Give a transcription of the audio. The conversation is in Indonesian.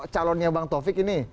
calonnya bang taufik ini